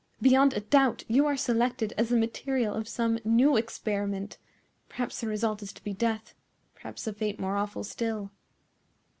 Beyond a doubt you are selected as the material of some new experiment. Perhaps the result is to be death; perhaps a fate more awful still.